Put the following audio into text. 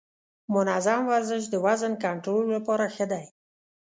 منظم ورزش د وزن کنټرول لپاره ښه دی.